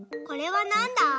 これはなんだ？